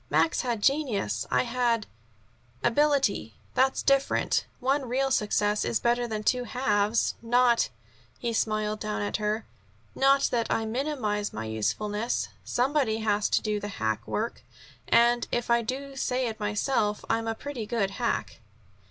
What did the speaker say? "Max had genius; I had ability. That's different. One real success is better than two halves. Not" he smiled down at her "not that I minimize my usefulness. Somebody has to do the hack work, and, if I do say it myself, I'm a pretty good hack."